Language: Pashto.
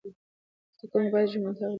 زده کوونکي باید ژمنتیا ولري.